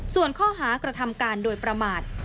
ส่วนข้อหากระทำการโดยประมาท